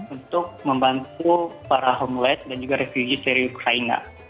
untuk membantu para homeless dan juga refugees dari ukraina